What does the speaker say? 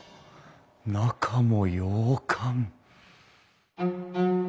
中も洋館。